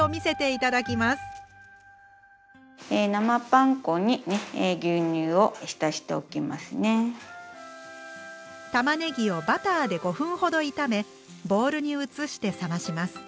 たまねぎをバターで５分ほど炒めボウルに移して冷まします。